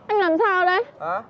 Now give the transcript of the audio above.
anh làm sao đấy